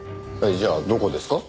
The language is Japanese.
じゃあどこですか？